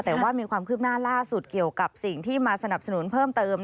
แต่ว่ามีความคืบหน้าล่าสุดเกี่ยวกับสิ่งที่มาสนับสนุนเพิ่มเติม